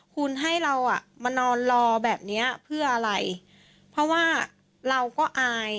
คุณให้เราอ่ะมานอนรอแบบเนี้ยเพื่ออะไรเพราะว่าเราก็อาย